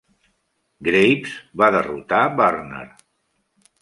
Graves va derrotar Burner.